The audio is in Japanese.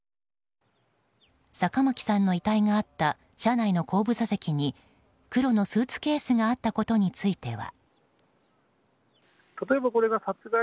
坂巻さんの遺体があった車内の後部座席に黒のスーツケースがあったことについては。